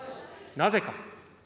なぜか。